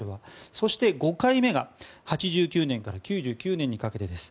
そして、５回目が８９年から９９年にかけてです。